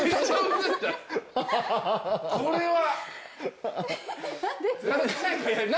これは。